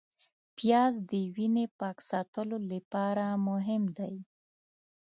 پیاز د وینې پاک ساتلو لپاره مهم دی